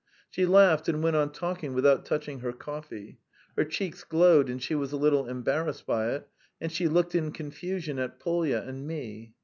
She laughed and went on talking without touching her coffee. Her cheeks glowed and she was a little embarrassed by it, and she looked in confusion at Polya and me.